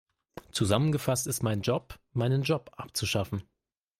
Zusammengefasst ist mein Job, meinen Job abzuschaffen.